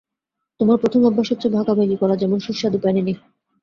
তোমার প্রথম অভ্যাস হচ্ছে ভাগাভাগি করা, যেমন সুস্বাদু প্যানিনি।